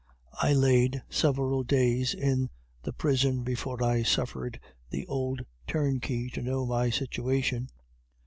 I laid several days in the prison before I suffered the old turnkey to know my situation.